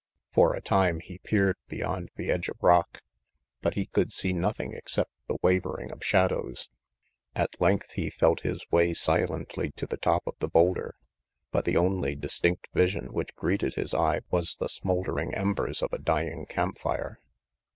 For a time he peered beyond the edge of rock, but he could see nothing except the wavering of shadows. At length he felt his way silently to the top of the boulder, but the only distinct vision which greeted his eye was the smouldering embers of a dying campfire.